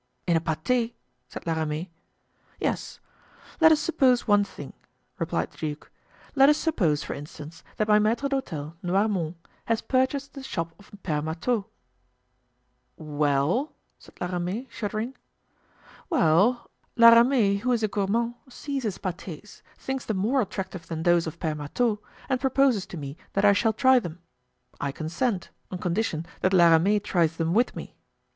"In a pate?" said La Ramee. "Yes. Let us suppose one thing," replied the duke "let us suppose, for instance, that my maitre d'hotel, Noirmont, has purchased the shop of Pere Marteau——" "Well?" said La Ramee, shuddering. "Well, La Ramee, who is a gourmand, sees his pates, thinks them more attractive than those of Pere Marteau and proposes to me that I shall try them. I consent on condition that La Ramee tries them with me.